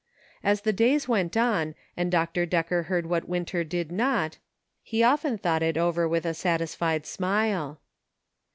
As the days went on and Dr. Decker heard what Winter did not, he often thought it over with a satisfied smile.